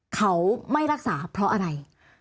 เขาไม่รักษาเพราะอะไร